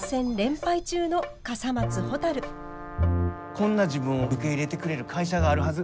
こんな自分を受け入れてくれる会社があるはず